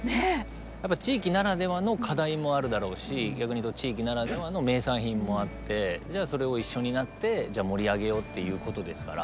やっぱ地域ならではの課題もあるだろうし逆に言うと地域ならではの名産品もあってじゃあそれを一緒になって盛り上げようっていうことですから。